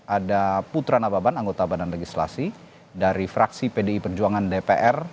ada putra nababan anggota badan legislasi dari fraksi pdi perjuangan dpr